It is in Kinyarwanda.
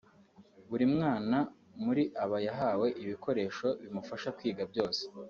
Buri mwana muri aba yahawe ibikoresho bimufasha kwiga byose